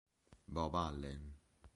Bob Allen